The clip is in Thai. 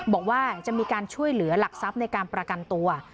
บอกว่าจะมีการช่วยเหลือหลักทรัพย์ในการประกันตัว